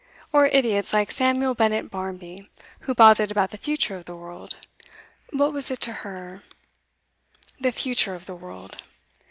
Or idiots like Samuel Bennett Barmby, who bothered about the future of the world. What was it to her the future of the world?